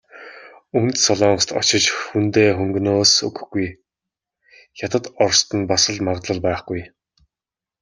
Өмнөд Солонгост очиж хүндээ хөнгөнөөс өгөхгүй, Хятад, Орост нь бас л магадлал байхгүй.